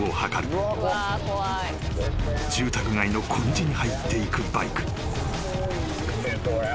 ［住宅街の小道に入っていくバイク］